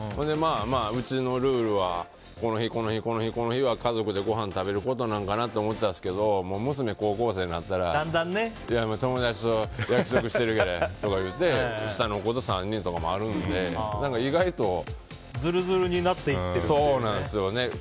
うちのルールはこの日、この日は家族でごはん食べることなんかなって思ったんですけど娘、高校生になったら友達と約束してるからとか言うて下の子と３人とかもあるんでずるずるになっていくっていう。